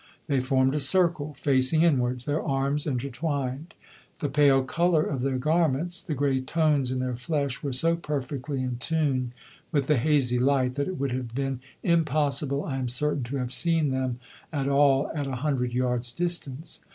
They formed a circle, facing inwards, their arms intertwined. The pale colour of their garments, the grey tones in their flesh were so perfectly in tune with the hazy light, that it would have been impossible, I am certain, to have seen them at all at a hundred yards' distance.